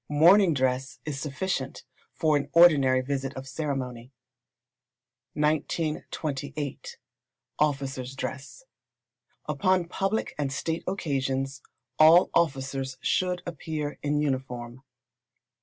Morning dress is sufficient for an ordinary visit of ceremony. 1938. Officers' Dress. Upon public and state occasions all officers should appear in uniform.